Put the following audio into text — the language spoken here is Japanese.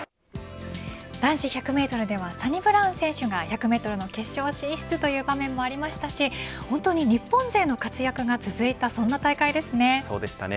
男子１００メートルではサニブラウン選手が１００メートルの決勝進出の場面もありましたし日本勢の活躍が続いたそんな大会でしたね。